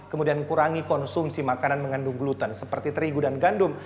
kemudian kurangi konsumsi makanan mengandung gluten seperti terigu dan gandum